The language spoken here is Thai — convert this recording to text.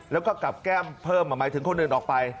แล้วก็กลับแก้มเพิ่มหมายถึงคนอื่นออกไป